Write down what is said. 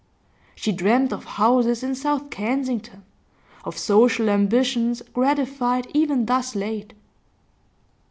She dreamt of houses in South Kensington, of social ambitions gratified even thus late.